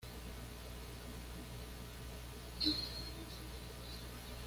Busot, es, en efecto, una localidad cercana de mayor población.